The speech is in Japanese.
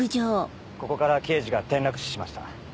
ここから刑事が転落死しました。